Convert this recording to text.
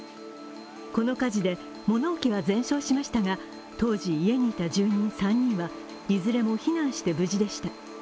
この火事で物置が全焼しましたが、当時家にいた住人３人はいずれも避難して無事でした。